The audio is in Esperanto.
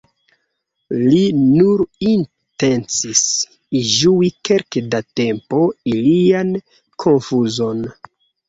Li nur intencis ĝui kelke da tempo ilian konfuzon!